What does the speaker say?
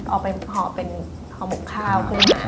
ออกไปห่อเป็นห่อหมกข้าว